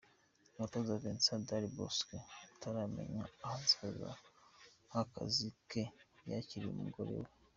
Umutoza Vicente Del Bosque utaramenya ahazaza h’akazi ke yakiriwe n’umugore we.